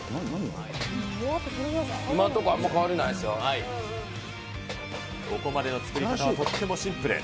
今のところ、あんまり変わりここまでの作り方はとってもシンプル。